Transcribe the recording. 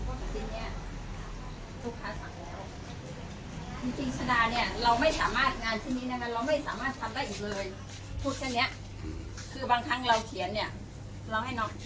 พูดแบบเนี้ยคือบางครั้งเราเขียนเนี้ยเราให้น้องเขียนเนี้ย